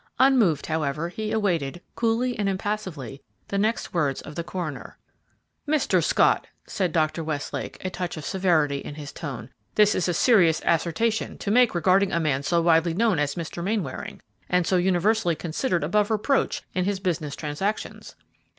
Unmoved, however, he awaited, coolly and impassively, the next words of the coroner. "Mr. Scott," said Dr. Westlake, a touch of severity in his tone, "this is a serious assertion to make regarding a man so widely known as Mr. Mainwaring, and so universally considered above reproach in his business transactions."